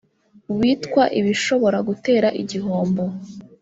witwa ibishobora gutera igihombo